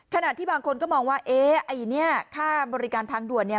ที่บางคนก็มองว่าเอ๊ะไอ้เนี่ยค่าบริการทางด่วนเนี่ย